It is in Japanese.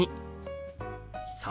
「３」。